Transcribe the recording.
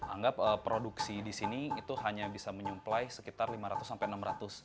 anggap produksi di sini itu hanya bisa menyuplai sekitar lima ratus sampai enam ratus